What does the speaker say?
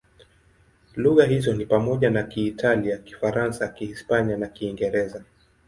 Lugha hizo ni pamoja na Kiitalia, Kifaransa, Kihispania na Kiingereza.